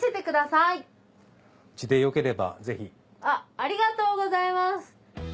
ありがとうございます。